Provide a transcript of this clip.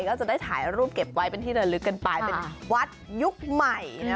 ก็จะได้ถ่ายรูปเก็บไว้เป็นที่ระลึกกันไปเป็นวัดยุคใหม่นะ